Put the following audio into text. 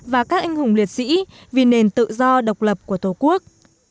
và các anh hùng liệt sĩ vì nền tự do độc lập của tổ quốc